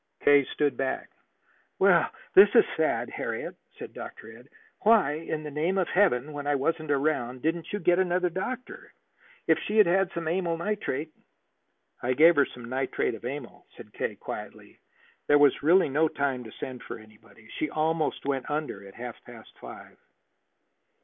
K. stood back. "Well, this is sad, Harriet," said Dr. Ed. "Why in the name of Heaven, when I wasn't around, didn't you get another doctor. If she had had some amyl nitrate " "I gave her some nitrate of amyl," said K. quietly. "There was really no time to send for anybody. She almost went under at half past five."